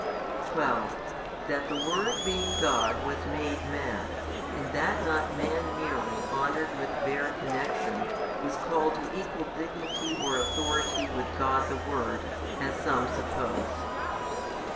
12. That the Word being God was made Man, and that not man merely honoured with bare connection was called to equal Dignity or Authority with God the Word, as some suppose.